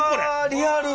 リアル！